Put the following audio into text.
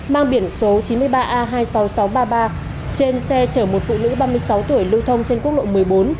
mang biển số chín mươi ba a hai mươi sáu nghìn sáu trăm ba mươi ba trên xe chở một phụ nữ ba mươi sáu tuổi lưu thông trên quốc lộ một mươi bốn